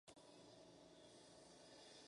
Hoyos finalmente sucumbió a la enfermedad.